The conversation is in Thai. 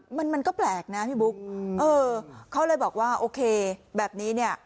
มันมันก็แปลกนะพี่บุ๊คเออเขาเลยบอกว่าโอเคแบบนี้เนี่ย